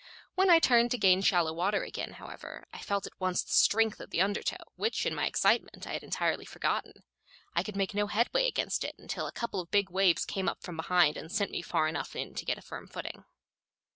When I turned to gain shallow water again, however, I felt at once the strength of the undertow, which in my excitement I had entirely forgotten. I could make no headway against it until a couple of big waves came up from behind, and sent me far enough in to get a firm footing.